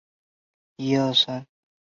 这支远征队是从瓦尔帕莱索出发的。